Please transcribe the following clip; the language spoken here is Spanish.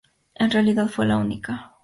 En realidad, fue la única.